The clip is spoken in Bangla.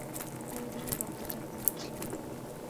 আমি তোমার রক্তচাপ মাপছি।